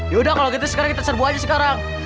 yaudah kalau gitu sekarang kita serbu aja sekarang